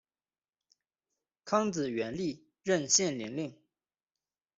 康子元历任献陵令。